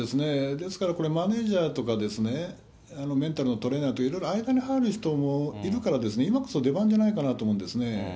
ですからこれ、マネージャーとか、メンタルのトレーナーって、いろいろ間に入る人もいるから、今こそ出番じゃないかなと思うんですね。